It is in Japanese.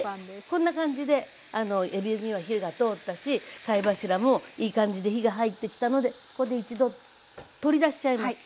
こんな感じでえびには火が通ったし貝柱もいい感じで火が入ってきたのでここで一度取り出しちゃいます。